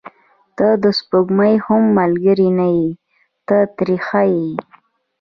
• ته د سپوږمۍ هم ملګرې نه یې، ته ترې ښه یې.